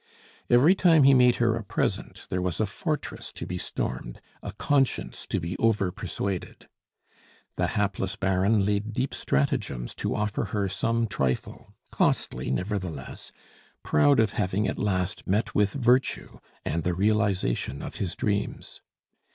Every time he made her a present there was a fortress to be stormed, a conscience to be over persuaded. The hapless Baron laid deep stratagems to offer her some trifle costly, nevertheless proud of having at last met with virtue and the realization of his dreams.